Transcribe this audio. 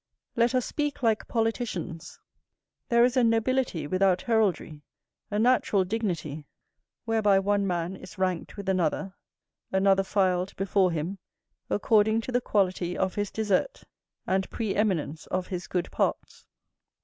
Let us speak like politicians; there is a nobility without heraldry, a natural dignity, whereby one man is ranked with another, another filed before him, according to the quality of his desert, and pre eminence of his good parts.